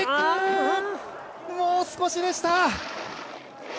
もう少しでした。